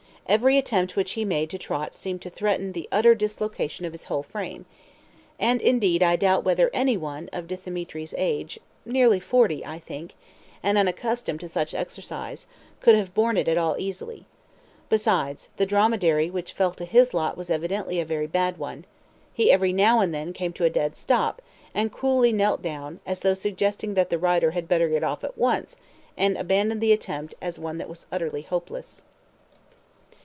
Every attempt which he made to trot seemed to threaten the utter dislocation of his whole frame, and indeed I doubt whether any one of Dthemetri's age (nearly forty, I think), and unaccustomed to such exercise, could have borne it at all easily; besides, the dromedary which fell to his lot was evidently a very bad one; he every now and then came to a dead stop, and coolly knelt down, as though suggesting that the rider had better get off at once and abandon the attempt as one that was utterly hopeless.